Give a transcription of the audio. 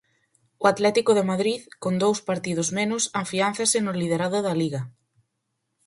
O Atlético de Madrid, con dous partidos menos afiánzase no liderado da Liga.